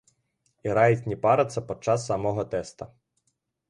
І раіць не парыцца падчас самога тэста.